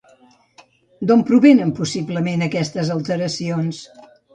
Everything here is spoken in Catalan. D'on provenen, possiblement, aquestes alteracions?